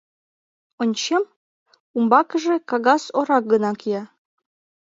Ончем, умбакыже кагаз ора гына кия.